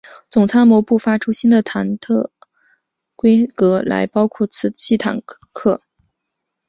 总参谋部发出新的坦克规格来包括此系列坦克。